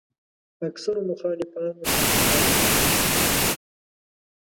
اکثرو مخالفانو ناآشنا ژبه ده.